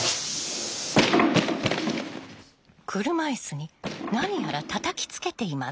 車いすに何やらたたきつけています。